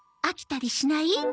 飽きたりしない？